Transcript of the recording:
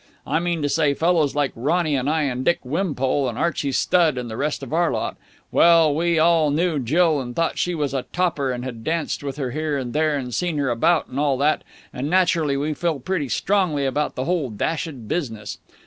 I mean to say, fellows like Ronny and I and Dick Wimpole and Archie Studd and the rest of our lot well, we all knew Jill and thought she was a topper and had danced with her here and there and seen her about and all that, and naturally we feel pretty strongly about the whole dashed business.